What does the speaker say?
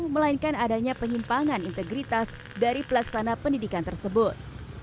melainkan adanya penyimpangan integritas dari pelaksana pendidikan tersebut